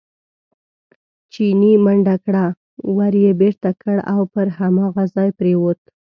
چیني منډه کړه، ور یې بېرته کړ او پر هماغه ځای پرېوت.